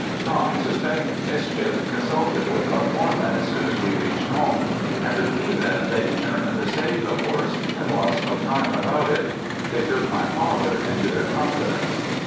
Tom suspecting mischief consulted with our foreman as soon as we reached home and between them they determined to save the horse, and lost no time about it. They took my father into their confidence.